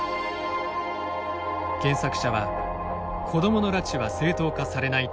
原作者は「子どもの拉致は正当化されない」と反応。